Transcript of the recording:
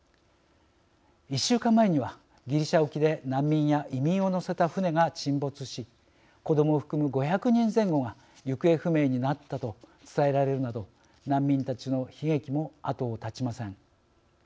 １週間前にはギリシャ沖で難民や移民を乗せた船が沈没し子どもを含む５００人前後が行方不明になったと伝えられるなど難民たちの悲劇も後を絶ちません。